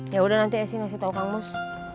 yaudah nanti esi ngasih tau kang mus